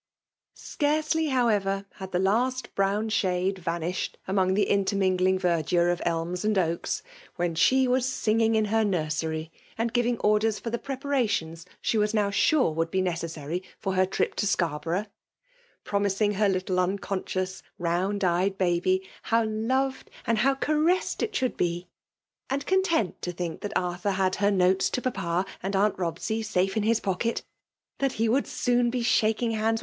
Scarcely^ however^ had the last brown shaiiB' i/^iahed among the intermingling TieaBdiixe of elBU» and' oaks^ when she was. singing in heir iiuraery> and giving orders for the ppepacationa; s}ie w^ now sure would be necessary for heto trip to Scarborough; promising her little nn^ conscious^ round eyed baby, how loved and how caressed it should be; and content to think* Aat Arthur had. her m^tes to Papa and Aunt Bobsey safe.in.hirpociket; that, he wonUUsotm? be shalang haDd»>.